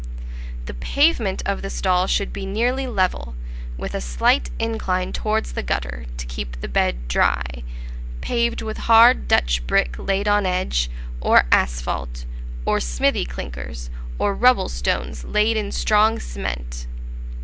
The pavement of the stall should be nearly level, with a slight incline towards the gutter, to keep the bed dry, paved with hard Dutch brick laid on edge, or asphalte, or smithy clinkers, or rubble stones, laid in strong cement.